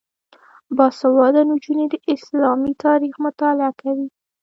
باسواده نجونې د اسلامي تاریخ مطالعه کوي.